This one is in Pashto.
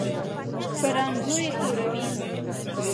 په رانجو تورې وې.